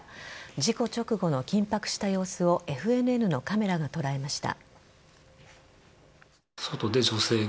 事故直後の緊迫した様子をＦＮＮのカメラが捉えました。